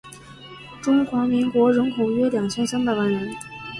中华民国人口约二千三百万人